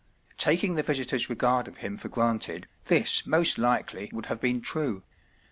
Taking the visitor’s regard of him for granted, this most likely would have been true.